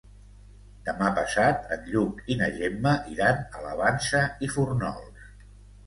Demà passat en Lluc i na Gemma iran a la Vansa i Fórnols.